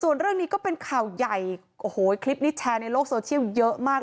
ส่วนเรื่องนี้ก็เป็นข่าวใหญ่โอ้โหคลิปนี้แชร์ในโลกโซเชียลเยอะมาก